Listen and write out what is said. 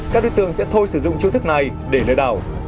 các đối tượng sẽ thôi sử dụng chữ thức này để lời đảo